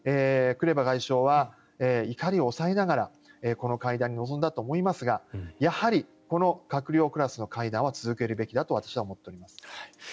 クレバ外相は怒りを抑えながらこの会談に臨んだと思いますがやはりこの閣僚クラスの会談は続けるべきだと私は思っています。